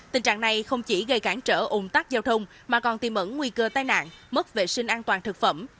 tình trạng này không chỉ gây cản trở ủng tắc giao thông mà còn tiêm ẩn nguy cơ tai nạn mất vệ sinh an toàn thực phẩm